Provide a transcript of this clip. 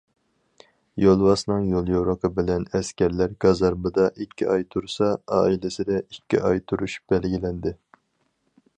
يولۋاسنىڭ يوليورۇقى بىلەن ئەسكەرلەر گازارمىدا ئىككى ئاي تۇرسا، ئائىلىسىدە ئىككى ئاي تۇرۇش بەلگىلەندى.